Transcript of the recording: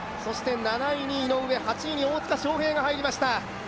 ７位に井上、８位に大塚祥平が入りました。